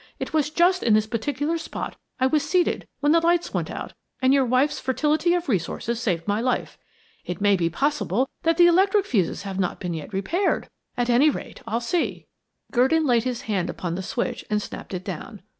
It was just in this particular spot I was seated when the lights went out, and your wife's fertility of resource saved my life. It may be possible that the electric fuses have not yet been repaired. At any rate, I'll see." Gurdon laid his hand upon the switch and snapped it down.